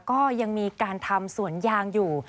ก็ยังมีการทำสวนยางอยู่